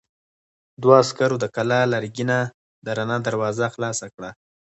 دوو عسکرو د کلا لرګينه درنه دروازه خلاصه کړه.